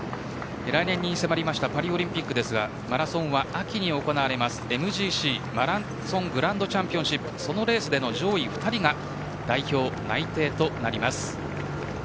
来年に迫ったパリオリンピックですがマラソンは秋に行われるＭＧＣマラソングランドチャンピオンシップそのレースでの上位２人が代表内定となります。